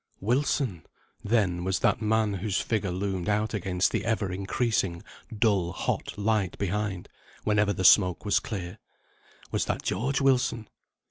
Wilson! then, was that man whose figure loomed out against the ever increasing dull hot light behind, whenever the smoke was clear, was that George Wilson?